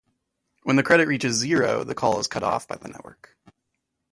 When the credit reaches zero, the call is cut off by the network.